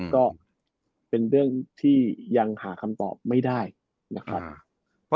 ก็เป็นเรื่องที่ยังหาคำตอบไม่ได้นะครับ